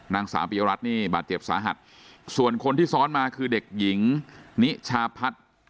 นางสาวปียรัฐนี่บาดเจ็บสาหัสส่วนคนที่ซ้อนมาคือเด็กหญิงนิชาพัฒน์